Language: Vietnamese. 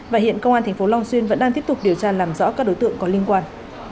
và hiện công an tp long xuyên vẫn đang tiếp tục điều tra làm rõ các đối tượng có liên quan